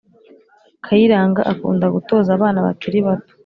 kayiranga akunda gutoza abana bakiri bato